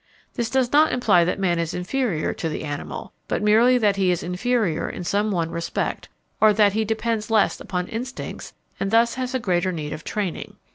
This does not imply that man is inferior to the animal, but merely that he is inferior in some one respect, or that he depends less upon instincts and thus has a greater need of training.